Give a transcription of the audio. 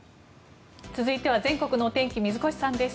続いては全国の天気水越さんです。